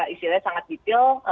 istilahnya sangat detail